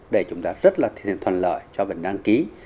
để chúng ta rất là thuận lợi cho việc đăng ký